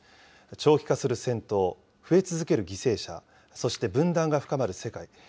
長期化する戦闘、増え続ける犠牲者、そして分断が深まる世界。